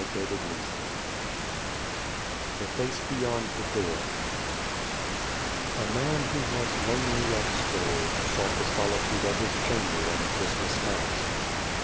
THE 'ACE THE THE BEVbN ACE DGOR A MAN who was lonely of soul sought the solitude of his chamber on Christmas night.